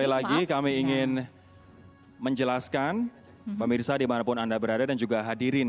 sekali lagi kami ingin menjelaskan pemirsa dimanapun anda berada dan juga hadirin